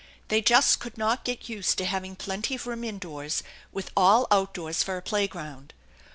They just could not get used to having plenty of room indoors, with all outdoors for a playground.